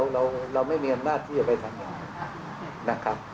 เราไม่มีอำนาจที่จะไปทำอย่างนี้